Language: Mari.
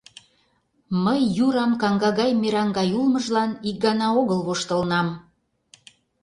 Мый Юрам каҥга мераҥ гай улмыжлан ик гана огыл воштылынам.